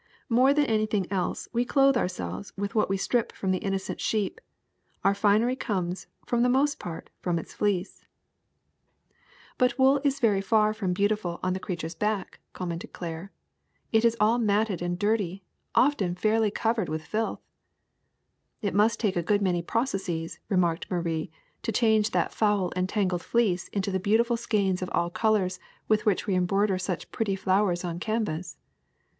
More than with anything else we clothe ourselves with w^iat we strip from the innocent sheep ; our finery comes for the most part from its fleece." 25 26 THE SECRET OF EVERYDAY THINGS ^'But wool is very far from beautiful on the creature ^s back/' commented Claire; ''it is all matted and dirty, often fairly covered with filth. '* ''It must take a good many processes,'' remarked Marie, "to change that foul and tangled fleece into the beautiful skeins of all colors with which we em broider such pretty flowers on canvas."